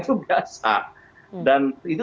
itu biasa dan itu